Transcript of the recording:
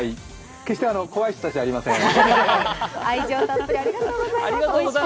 決して怖い人たちじゃありません。